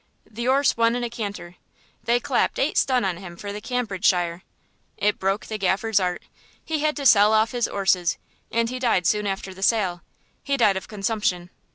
The 'orse won in a canter: they clapped eight stun on him for the Cambridgeshire. It broke the Gaffer's 'eart. He had to sell off his 'orses, and he died soon after the sale. He died of consumption.